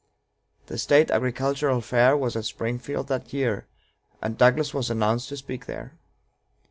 The State Agricultural Fair was at Springfield that year, and Douglas was announced to speak there."